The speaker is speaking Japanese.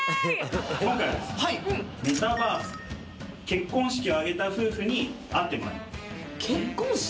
今回はメタバースで結婚式を挙げた夫婦に会ってもらいます。